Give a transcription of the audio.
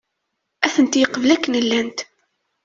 Ad tent-yeqbel akken llant.